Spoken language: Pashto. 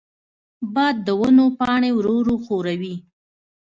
باد د ونو پاڼې ورو ورو ښوروي.